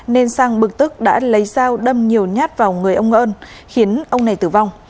nên sang bực tức đã lấy dao đâm nhiều nhát vào người ông ơn khiến ông này tử vong